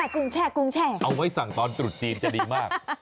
กุ้งแช่เอาไว้สั่งตอนตรุษจีนจะดีมาก